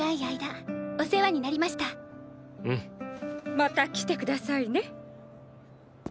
また来て下さいね。